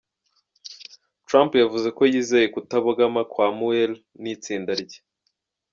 Trump yavuze ko yizeye kutabogama kwa Mueller n’itsinda rye.